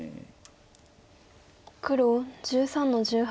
黒１３の十八。